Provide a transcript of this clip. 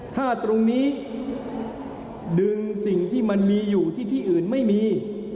ถ้าตรงนี้ดึงสิ่งที่มันมีอยู่ที่ที่อื่นไม่มี